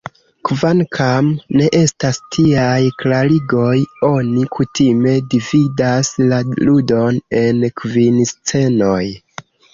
Kvankam ne estas tiaj klarigoj oni kutime dividas la ludon en kvin scenoj.